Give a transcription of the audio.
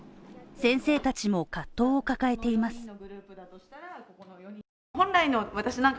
先生たちも葛藤を抱えています。